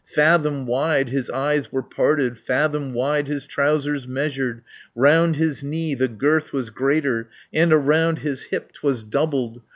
Fathom wide his eyes were parted, Fathom wide his trousers measured; Round his knee the girth was greater, And around his hip 'twas doubled.